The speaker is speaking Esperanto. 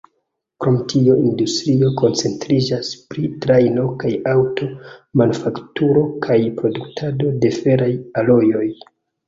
Krom tio, industrio koncentriĝas pri trajno- kaj aŭto-manufakturo kaj produktado de feraj alojoj.